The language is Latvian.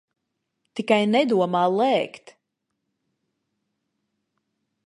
Tikai nedomā lēkt.